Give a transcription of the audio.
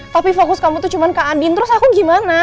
tapi fokus kamu tuh cuma ke andin terus aku gimana